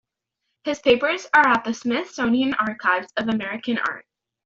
His papers are at the Smithsonian Archives of American Art.